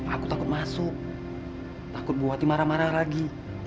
aku takut masuk takut bu wati marah marah lagi